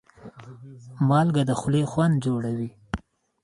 مالګه د خولې خوند جوړوي.